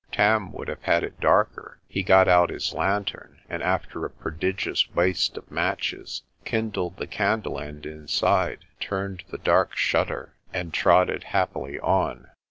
Tarn would have had it darker. He got out his lantern, and after a prodigious waste of matches kindled the candle end inside, turned the dark shutter, and trotted happily on.